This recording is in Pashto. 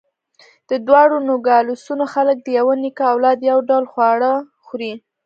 د دواړو نوګالسونو خلک د یوه نیکه اولاد، یو ډول خواړه خوري.